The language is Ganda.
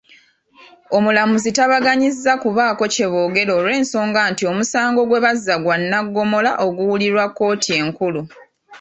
Omulamuzi tabaganyizza kubaako kyeboogera olw'ensonga nti omusango gwe bazza gwa Nnaggomola oguwulirwa kkooti enkulu.